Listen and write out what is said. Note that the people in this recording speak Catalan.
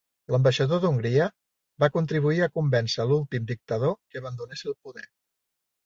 L'ambaixador d'Hongria va contribuir a convèncer l'últim dictador que abandonés el poder.